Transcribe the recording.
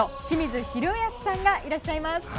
清水宏保さんがいらっしゃいます。